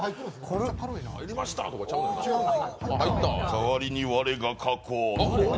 代わりに我が書こう。